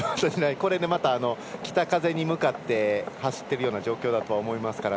これでまた北風に向かって走っている状況だと思います。